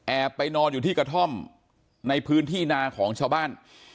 ไปนอนอยู่ที่กระท่อมในพื้นที่นาของชาวบ้าน